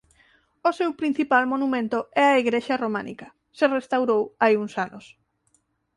O seu principal monumento é a igrexa románica se restaurou hai uns anos.